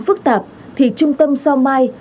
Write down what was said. phức tạp thì trung tâm sau mai